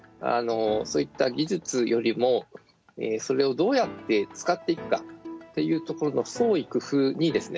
そういった技術よりもそれをどうやって使っていくかというところの創意工夫にですね